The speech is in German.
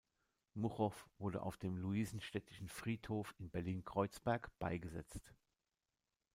Muchow wurde auf dem Luisenstädtischen Friedhof in Berlin-Kreuzberg beigesetzt.